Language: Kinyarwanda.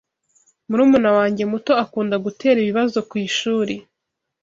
Murumuna wanjye muto akunda gutera ibibazo kwishuri.